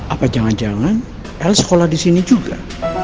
apa jangan jangan l sekolah di sini juga